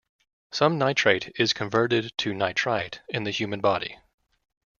Some nitrate is converted to nitrite in the human body.